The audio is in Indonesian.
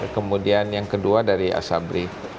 kemudian yang kedua dari asabri